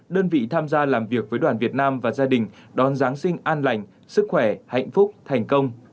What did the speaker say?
đơn vị tham gia làm việc với đoàn việt nam và gia đình đón giáng sinh an lành sức khỏe hạnh phúc thành công